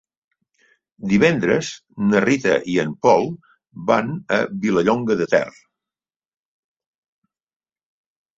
Divendres na Rita i en Pol van a Vilallonga de Ter.